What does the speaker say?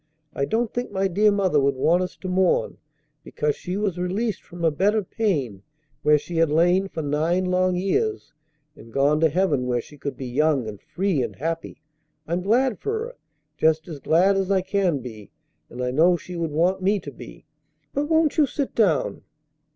I don't think my dear mother would want us to mourn because she was released from a bed of pain where she had lain for nine long years, and gone to heaven where she could be young and free and happy. I'm glad for her, just as glad as I can be; and I know she would want me to be. But won't you sit down?